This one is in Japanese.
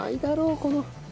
この。